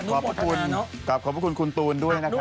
เข้าให้กลับขอบคุณคุณตูนด้วยนะครับ